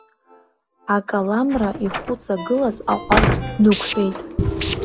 Акаламра ихәыҵагылаз аҟәардә днықәтәеит.